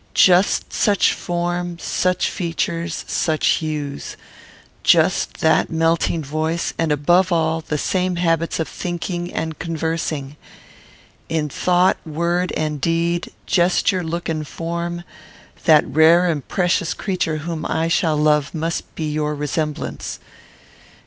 Just such form, such features, such hues. Just that melting voice, and, above all, the same habits of thinking and conversing. In thought, word, and deed; gesture, look, and form, that rare and precious creature whom I shall love must be your resemblance.